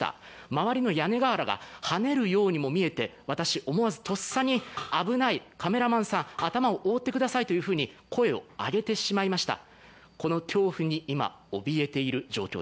周りの屋根瓦がはねるようにも見えて、私、とっさに危ない、カメラマンさん、頭を覆ってください！というふうに声を上げてしまいました。